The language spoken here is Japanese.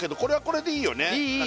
これはこれでいいよね